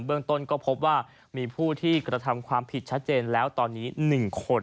เรื่องต้นก็พบว่ามีผู้ที่กระทำความผิดชัดเจนแล้วตอนนี้๑คน